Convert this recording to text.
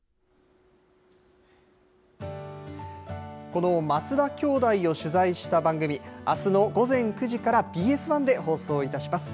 この松田兄弟を取材した番組、あすの午前９時からＢＳ１で放送いたします。